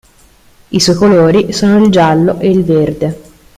I suoi colori sono il giallo e il verde.